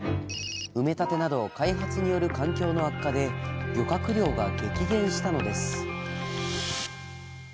埋め立てなどの開発による環境の悪化で漁獲量が激減したのです。